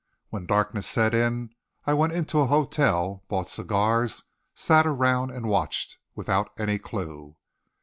When darkness set in I went into a hotel, bought cigars, sat around and watched, without any clue.